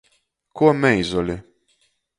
Kuo meizoli.